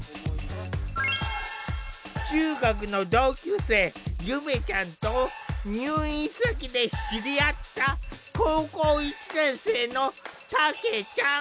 中学の同級生ゆめちゃんと入院先で知り合った高校１年生のたけちゃん。